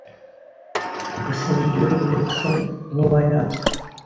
gusenya igihugu ndetse n’uwayatswe.